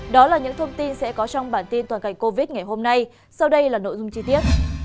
đó là những thông tin sẽ có trong bản tin toàn cảnh covid ngày hôm nay sau đây là nội dung chi tiết